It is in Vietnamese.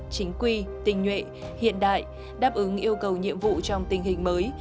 chính quy tinh nguyện hiện đại đáp ứng yêu cầu nhiệm vụ trong tình hình mới